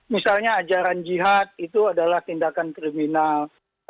misalnya ajaran jihad itu adalah tindakan kriminal